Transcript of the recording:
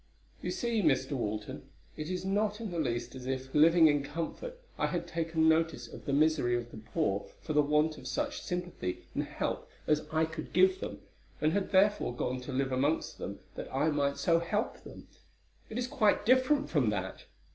"You see, Mr. Walton, it is not in the least as if, living in comfort, I had taken notice of the misery of the poor for the want of such sympathy and help as I could give them, and had therefore gone to live amongst them that I might so help them: it is quite different from that.